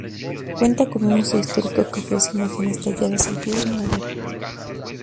Cuenta con un Museo Histórico que ofrece imágenes talladas en piedra y madera.